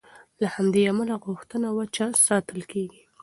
له همدې امله غوښه وچه ساتل کېږي.